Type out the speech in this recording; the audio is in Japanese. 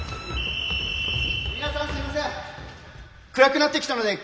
皆さんすいません！